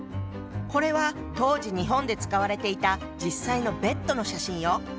これは当時日本で使われていた実際のベッドの写真よ。